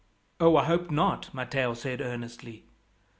"Oh, I hope not!" Matteo said earnestly.